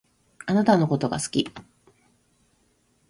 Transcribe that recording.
あなたのことが好き